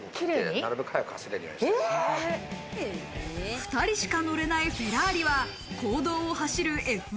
２人しか乗れないフェラーリは公道を走るＦ１